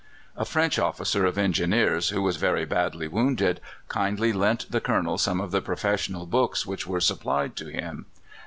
A French officer of Engineers, who was very badly wounded, kindly lent the Colonel some of the professional books which were supplied to him.